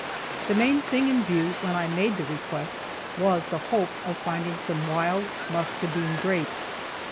The main thing in view, when I made the request, was the hope of finding some wild muscadine grapes.